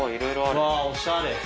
うわおしゃれ。